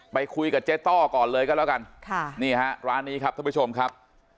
ไปคุยกับเจ๊ต้อก่อนเลยก็แล้วกันค่ะนี่ฮะร้านนี้ครับท่านผู้ชมครับ